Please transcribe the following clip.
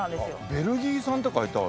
ベルギー産って書いてある。